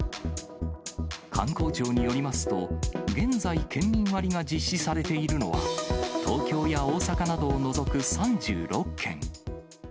観光庁によりますと、現在、県民割が実施されているのは、東京や大阪などを除く３６県。